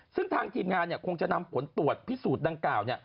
ซึ่งทางทีมงานคงจะนำผลตรวจพิสูจน์ดังกล่าว